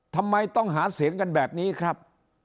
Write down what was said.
ทำไมต้องหาเสียงกันแบบนี้ครับ